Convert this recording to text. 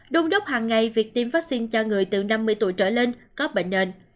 đôn đốc hàng ngày việc tiêm vaccine cho người từ năm mươi tuổi trở lên có bệnh nền